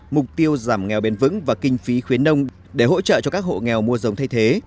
mục tiêu giảm nghèo bền vững và kinh phí khuyến nông để hỗ trợ cho các hộ nghèo mua giống thay thế